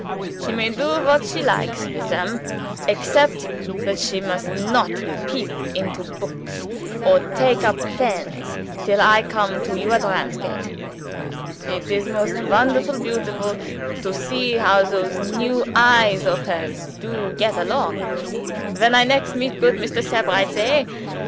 "She may do what she likes with them except that she must not peep into books, or take up pens, till I come to you at Ramsgate. It is most wonderful beautiful to see how those new eyes of hers do get along. When I next meet goot Mr. Sebrights hey!